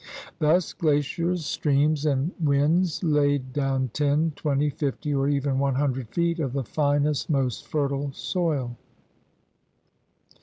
Thus glaciers, streams, and winds laid down ten, twenty, fifty, or even one hundred feet of the finest, most fertile soil.